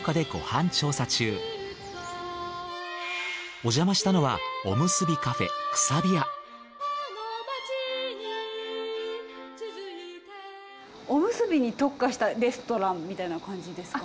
おじゃましたのはおむすびに特化したレストランみたいな感じですか？